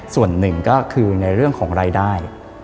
ส่วนหนึ่งก็คือในเรื่องของรายได้